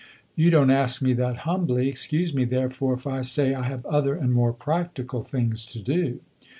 "You don't ask me that humbly. Excuse me therefore if I say I have other, and more practical, things to do."